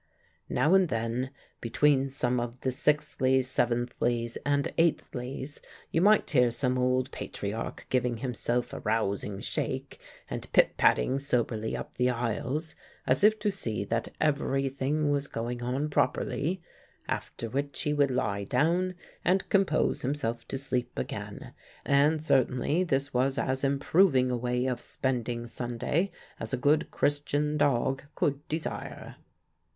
Now and then, between some of the sixthlies, seventhlies, and eighthlies, you might hear some old patriarch giving himself a rousing shake, and pitpatting soberly up the aisles, as if to see that every thing was going on properly, after which he would lie down and compose himself to sleep again; and certainly this was as improving a way of spending Sunday as a good Christian dog could desire.